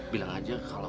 bilang aja kalau